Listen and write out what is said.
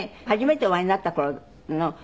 初めてお会いになった頃の。